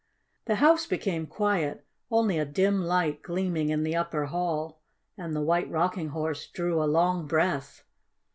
The house became quiet, only a dim light gleaming in the upper hall, and the White Rocking Horse drew a long breath.